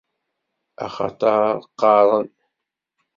Axaṭer qqaren.